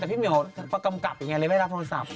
แต่พี่เมียวภารกรรมกับอยู่ไหนไม่ได้รับโทรศัพท์